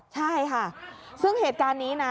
ใช่ค่ะซึ่งเหตุการณ์นี้นะ